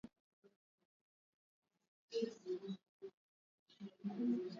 Kuna wale wanao soma nawana saidia inchi